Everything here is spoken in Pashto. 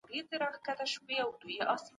د میز څېړني لپاره ډېر کتابونه راټول شوي دي.